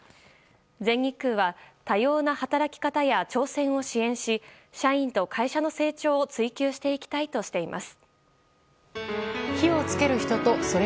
全日空は多様な働き方や挑戦を支援し社員と会社の成長を追求していきたいとしています。